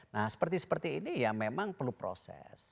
nah seperti seperti ini ya memang perlu proses